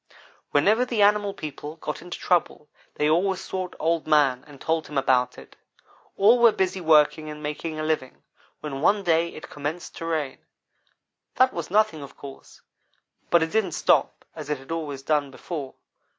"Whenever the animal people got into trouble they always sought Old man and told him about it. All were busy working and making a living, when one day it commenced to rain. That was nothing, of course, but it didn't stop as it had always done before.